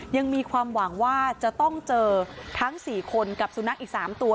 ยังมีความหวังว่าจะต้องเจอทั้ง๔คนกับสุนัขอีก๓ตัว